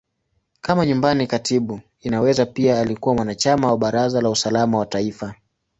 Kama Nyumbani Katibu, Inaweza pia alikuwa mwanachama wa Baraza la Usalama wa Taifa.